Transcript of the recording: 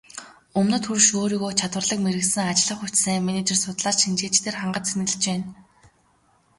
Өмнөд хөрш өөрийгөө чадварлаг мэргэшсэн ажиллах хүч, сайн менежер, судлаач, шинжээчдээр хангаж цэнэглэж байна.